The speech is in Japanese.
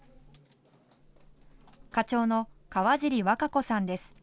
課長の河尻和佳子さんです。